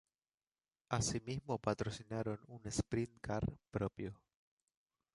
Así mismo patrocinaron un sprint car propio.